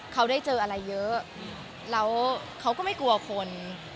เขาได้เจออะไรเยอะแล้วเขาก็ไม่กลัวคน